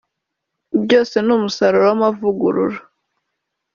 byose ni umusaruro w’amavugurura